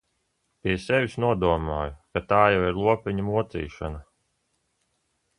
Pie sevis nodomāju, ka tā jau ir lopiņa mocīšana.